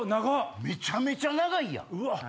めちゃめちゃ長いやん！